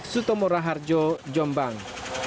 sutomora harjo jombang